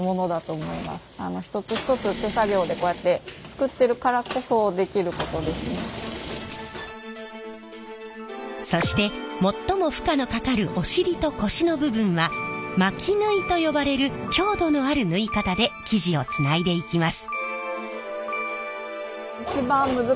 一つ一つそして最も負荷のかかるおしりと腰の部分は巻き縫いと呼ばれる強度のある縫い方で生地をつないでいきます。